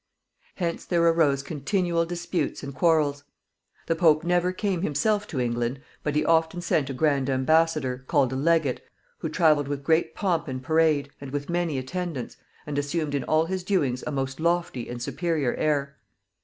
Hence there arose continual disputes and quarrels. The Pope never came himself to England, but he often sent a grand embassador, called a legate, who traveled with great pomp and parade, and with many attendants, and assumed in all his doings a most lofty and superior air.